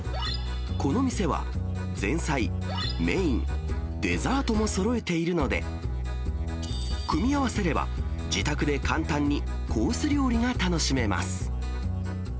この店は、前菜、メイン、デザートもそろえているので、組み合わせれば、自宅で簡単にコース料理が楽しめます。